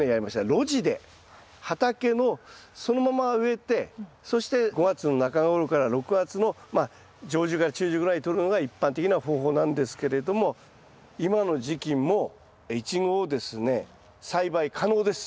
露地で畑のそのまま植えてそして５月の中ごろから６月のまあ上旬から中旬ぐらいにとるのが一般的な方法なんですけれども今の時期もイチゴをですね栽培可能です。